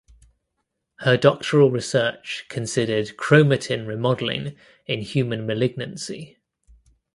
Her doctoral research considered chromatin remodeling in human malignancy.